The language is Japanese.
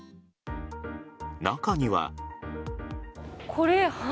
中には。